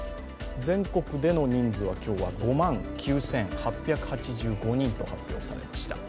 全国での人数は今日は５万９８８５人と発表されました。